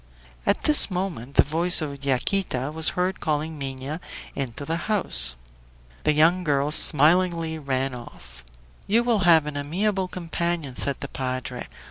At this moment the voice of Yaquita was heard calling Minha into the house. The young girl smilingly ran off. "You will have an amiable companion," said the padre.